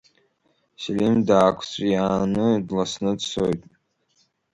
Селим даақәҵәиааны дласны дцоит.